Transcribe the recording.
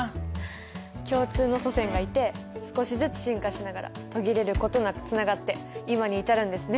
共通の祖先がいて少しずつ進化しながら途切れることなくつながって今に至るんですね。